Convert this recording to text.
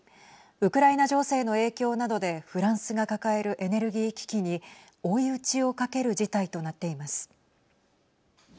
ウクライナ情勢の影響などでフランスが抱えるエネルギー危機に追い打ちをかける事態となっています。